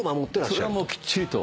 それはもうきっちりと。